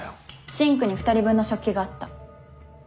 シンクに２人分の食器があった。